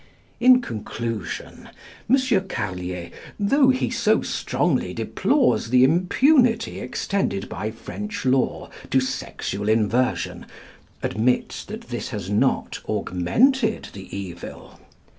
In conclusion, M. Carlier, though he so strongly deplores the impunity extended by French law to sexual inversion, admits that this has not augmented the evil.